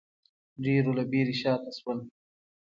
ډېرو له وېرې شا ته شول